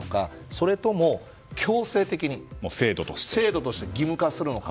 それとも強制的に制度として義務化するのか。